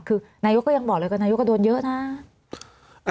คือนายกก็ยังบอกเลยกับนายกก็โดนเยอะนะ